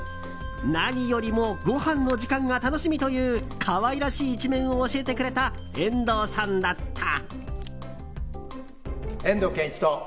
何よりもごはんの時間が楽しみという可愛らしい一面を教えてくれた遠藤さんだった。